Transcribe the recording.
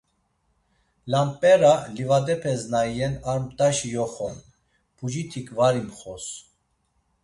Lamp̌era livadepes na iyen ar mt̆aşi yoxo’n, pucitik var imxos.